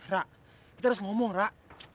rah kita harus ngomong rah